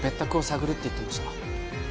探るって言ってました